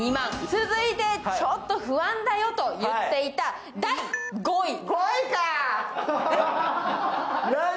続いてちょっと不安だよと言っていた第５位。